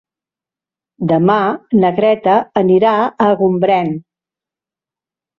Demà na Greta anirà a Gombrèn.